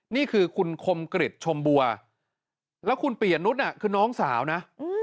นี่คือคุณคมกริจชมบัวแล้วคุณปียะนุษย์คือน้องสาวนะ